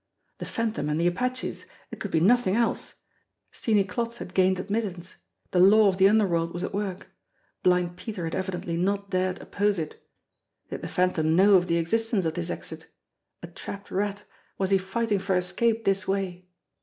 The Phantom and the apaches ! It could be nothing else ! Steenie Klotz had gained admittance the law of the underworld was at >vork. Blind Peter had evidently not dared oppose it. Did BLIND PETER'S 293 the Phantom know of the existence of this exit? A trapped rat, was he fighting for escape this way?